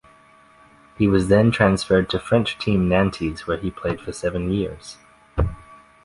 He was then transferred to French team Nantes, where he played for seven years.